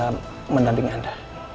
tidak bisa mendampingi anda